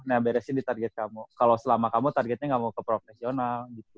nah beresin di target kamu kalau selama kamu targetnya gak mau ke profesional gitu